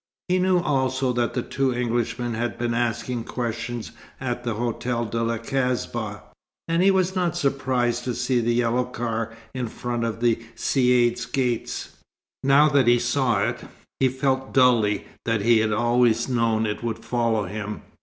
He knew also that the two Englishmen had been asking questions at the Hotel de la Kasbah; and he was not surprised to see the yellow car in front of the Caïd's gates. Now that he saw it, he felt dully that he had always known it would follow him.